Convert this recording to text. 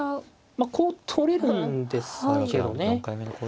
まあこう取れるんですかね。